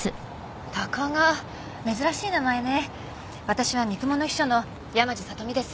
私は三雲の秘書の山路さとみです。